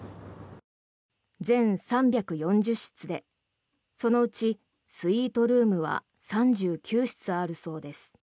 全３４０室でそのうちスイートルームは３９室あるそうです。